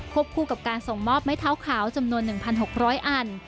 คู่กับการส่งมอบไม้เท้าขาวจำนวน๑๖๐๐อัน